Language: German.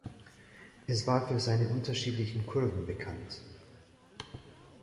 Es war für seine unterschiedlichen Kurven bekannt.